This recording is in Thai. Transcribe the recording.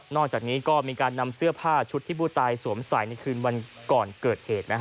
อกจากนี้ก็มีการนำเสื้อผ้าชุดที่ผู้ตายสวมใส่ในคืนวันก่อนเกิดเหตุ